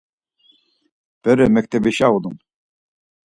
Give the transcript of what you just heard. Bere mektebişa uluni?